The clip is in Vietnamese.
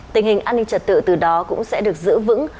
tình hình an ninh trật tự từ đó cũng sẽ được giữ vững